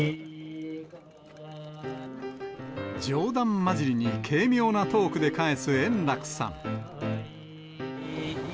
冗談交じりに、軽妙なトークで返す円楽さん。